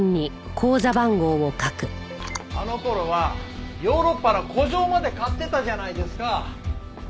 あの頃はヨーロッパの古城まで買ってたじゃないですか。